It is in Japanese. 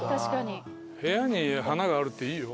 部屋に花があるっていいよ。